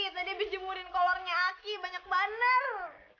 tadi abis jemurin kolornya aki banyak bander